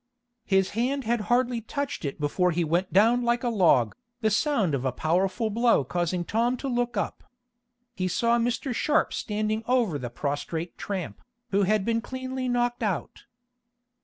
His hand had hardly touched it before he went down like a log, the sound of a powerful blow causing Tom to look up. He saw Mr. Sharp standing over the prostrate tramp, who had been cleanly knocked out.